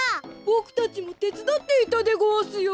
ボクたちもてつだっていたでごわすよ。